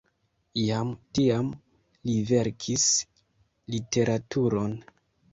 Jam tiam li verkis literaturon.